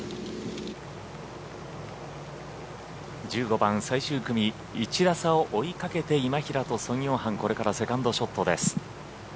１５番最終組１打差を追いかけて今平とソン・ヨンハンこれからセカンドショットです。